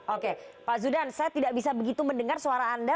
oke pak zudan saya tidak bisa begitu mendengar suara anda